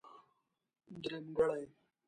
درېمګړی.